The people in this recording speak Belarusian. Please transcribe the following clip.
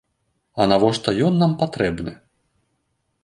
А навошта ён нам патрэбны?